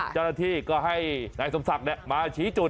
จรภิก็ให้นายสมศักดิ์มาชี้จุด